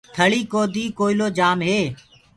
ٿݪيٚ ڪودي ڪوئيٚلو جآم هي۔